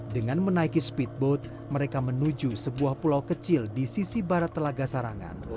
dengan menaiki speedboat mereka menuju sebuah pulau kecil di sisi barat telaga sarangan